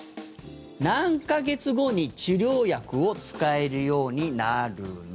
何か月後に治療薬を使えるようになるの？